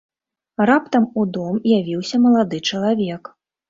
Раптам у дом явіўся малады чалавек.